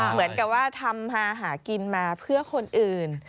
เหมือนกับว่าทำมาหากินมาเพื่อคนอื่น